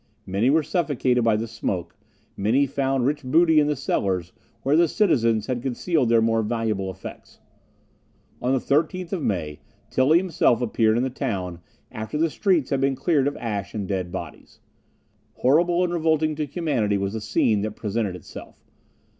Many were suffocated by the smoke; many found rich booty in the cellars, where the citizens had concealed their more valuable effects. On the 13th of May, Tilly himself appeared in the town, after the streets had been cleared of ashes and dead bodies. Horrible and revolting to humanity was the scene that presented itself.